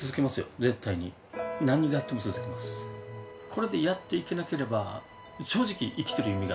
これでやっていけなければ正直。